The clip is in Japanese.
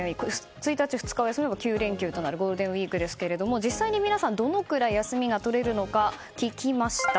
１日２日を休めば９連休となるゴールデンウィークですが実際に皆さんは、どのくらい休みが取れるのか聞きました。